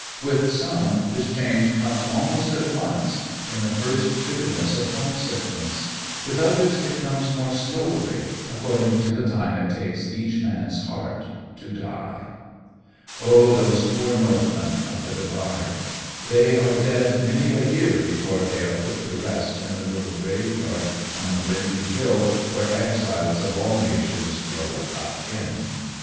With some this change comes almost at once, in the first bitterness of homesickness, with others it comes more slowly, according to the time it takes each man's heart to die. Oh, those poor Northmen of the Divide! They are dead many a year before they are put to rest in the little graveyard on the windy hill where exiles of all nations grow akin.